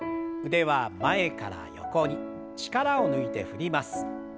腕は前から横に力を抜いて振ります。